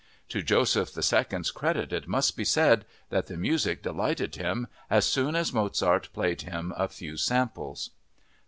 To Joseph II's credit it must be said that the music delighted him as soon as Mozart played him a few samples.